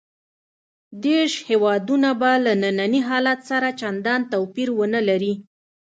دېرش هېوادونه به له ننني حالت سره چندان توپیر ونه لري.